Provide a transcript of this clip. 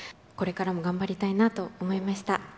これからも頑張りたいなと思いました。